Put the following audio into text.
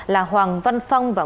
là hoàng văn phong và nguyễn anh tuấn